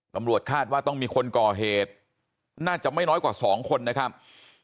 ตำรวจคาดว่าต้องมีคนก่อเหตุน่าจะไม่น้อยกว่า๒คนนะครับ